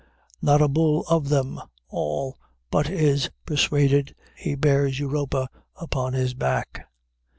Not a Bull of them all but is persuaded he bears Europa upon his back.